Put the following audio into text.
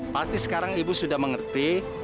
pasti sekarang ibu sudah mengerti